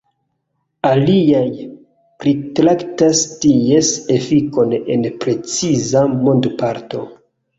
Aliaj pritraktas ties efikon en preciza mondoparto.